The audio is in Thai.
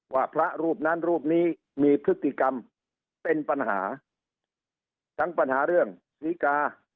ว่าพระรูปนั้นรูปนี้มีพฤติกรรมเป็นปัญหาทั้งปัญหาเรื่องศรีกา